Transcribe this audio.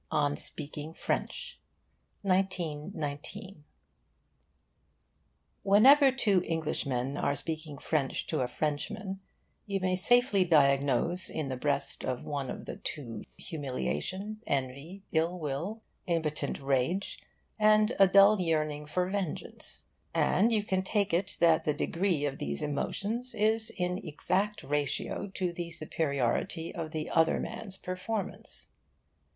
ON SPEAKING FRENCH 1919. Wherever two Englishmen are speaking French to a Frenchman you may safely diagnose in the breast of one of the two humiliation, envy, ill will, impotent rage, and a dull yearning for vengeance; and you can take it that the degree of these emotions is in exact ratio to the superiority of the other man's performance.